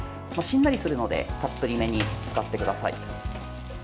しんなりするのでたっぷりめに使ってください。